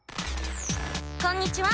こんにちは。